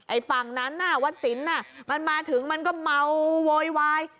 ไอ้ฝั่งนั้นอ่ะวัดศิลป์น่ะมันมาถึงมันก็เมาโวยวาย